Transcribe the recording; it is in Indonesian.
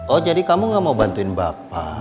oh jadi kamu gak mau bantuin bapak